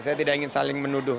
saya tidak ingin saling menuduh